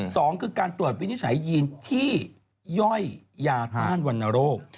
สองคือการตรวจวินิจฉัยยีนที่ย่อยยาต้านวรรณโรค